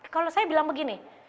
kalau saya bilang begini